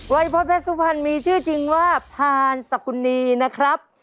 วัยพ่อแพทย์สุภัณฑ์มีชื่อจริงว่าพาณสกุณีนะครับ